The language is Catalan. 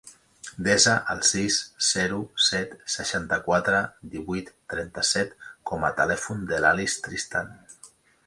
Desa el sis, zero, set, seixanta-quatre, divuit, trenta-set com a telèfon de l'Alice Tristan.